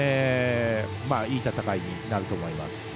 いい戦いになると思います。